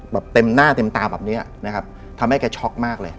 แบบเต็มหน้าเต็มตาแบบนี้นะครับทำให้แกช็อกมากเลย